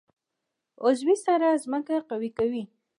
عضوي سره ځمکه قوي کوي.